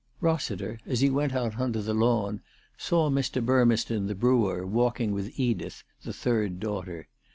Rossiter, as he went out on to the lawn, saw Mr. Burmeston, the brewer, walking with Edith, the third daughter.